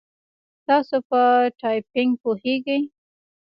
تاسو په ټایپینګ پوهیږئ؟